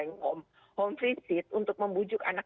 yang home home visit untuk membujuk anak